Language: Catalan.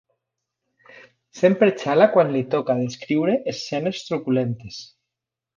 Sempre xala quan li toca descriure escenes truculentes.